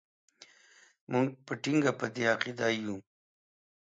موږ په ټینګه په دې عقیده یو.